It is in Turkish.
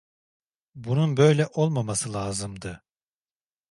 Bunun böyle olmaması lazımdı.